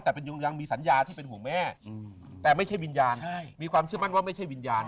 แต่ยังมีสัญญาที่เป็นห่วงแม่แต่ไม่ใช่วิญญาณมีความเชื่อมั่นว่าไม่ใช่วิญญาณ